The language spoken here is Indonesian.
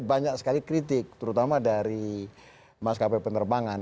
banyak sekali kritik terutama dari maskapai penerbangan